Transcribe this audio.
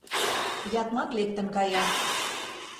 Ятман лектын кая.